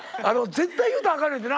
絶対言うたらあかんねんってな？